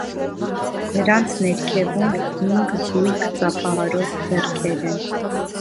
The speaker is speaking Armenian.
Նրանց ներքևում հինգ զույգ ծափահարող ձեռքեր են։